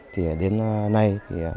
thì đến nay